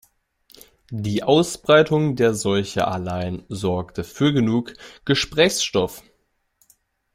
Die Ausbreitung der Seuche allein sorgte für genug Gesprächsstoff.